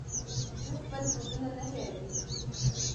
دوی خپل دودونه نه هیروي.